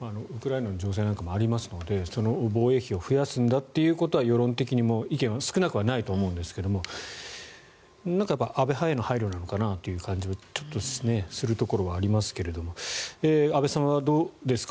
ウクライナの情勢なんかもありますので防衛費を増やすんだということは世論的にも意見は少なくないと思うんですが安倍派への配慮なのかなという気がちょっとしますが安部さんはどうですか。